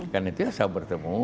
karena itu saya bertemu